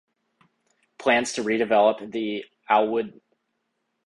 Plans to redevelop the Alwoodley site met with opposition.